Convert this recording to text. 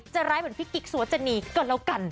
จะร้ายเหมือนพี่กิ๊กสุวจนีก่อนแล้วกัน